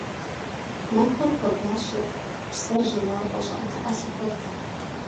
Махуэр хуабащэт, псэр жьауапӀэ, щӀыӀэтыӀэ лъыхъуэрт.